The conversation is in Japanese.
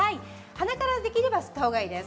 鼻からできれば吸った方がいいです。